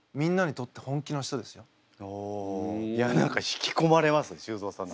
いや何か引きこまれますね修造さんの話。